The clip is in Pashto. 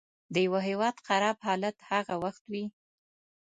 د یوه هیواد خراب حالت هغه وخت وي.